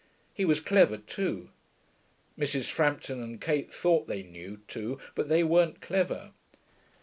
He was clever, too. Mrs. Frampton and Kate thought they knew, too; but they weren't clever.